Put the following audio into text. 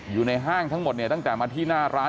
อยู่ในห้างทั้งหมดเนี่ยตั้งแต่มาที่หน้าร้าน